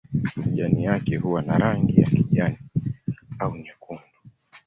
Majani yake huwa na rangi ya kijani au nyekundu.